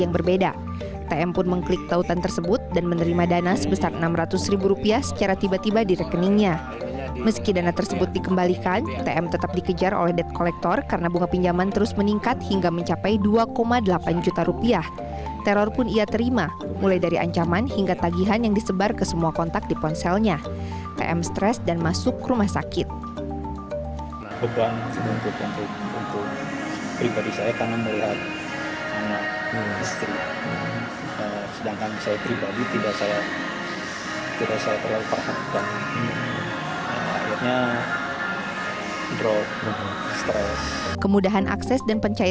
berdasarkan data otoritas